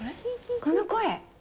この声。